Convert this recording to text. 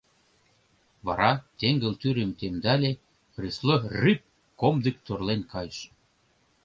Вара теҥгыл тӱрым темдале — кресло рӱп комдык торлен кайыш.